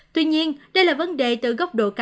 tuy nhiên đây là vấn đề từ góc độ cá nhân